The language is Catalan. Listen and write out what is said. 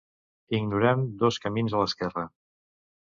Ignorem dos camins a l'esquerra.